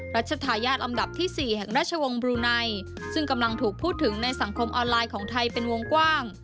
รัชทายาทลำดับที่๔แห่งราชวงศ์บลูไนซึ่งกำลังถูกพูดถึงในสังคมออนไลน์ของไทยเป็นวงกว้าง